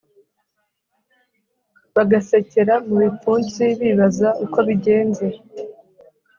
bagasekera mu bipfunsibibaza uko bigenze